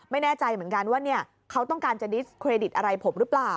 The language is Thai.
ไม่แน่ใจเหมือนกันว่าเขาต้องการจะดิสเครดิตอะไรผมหรือเปล่า